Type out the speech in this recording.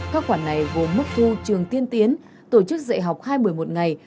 các khoản này gồm mức thu trường tiên tiến tổ chức dạy học hai mươi một ngày